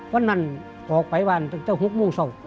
เว้นนั้นเอาออกไปหวานถึงเจ้าห่วงเศร้า